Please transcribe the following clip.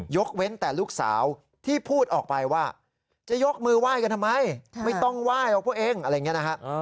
เว้นแต่ลูกสาวที่พูดออกไปว่าจะยกมือไหว้กันทำไมไม่ต้องไหว้หรอกพวกเองอะไรอย่างนี้นะฮะ